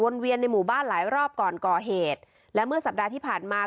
เวียนในหมู่บ้านหลายรอบก่อนก่อเหตุและเมื่อสัปดาห์ที่ผ่านมา